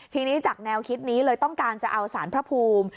ทีนี้จากแนวคิดนี้เลยต้องการจะเอาสารพระภูมิ